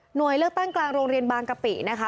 เลือกตั้งกลางโรงเรียนบางกะปินะคะ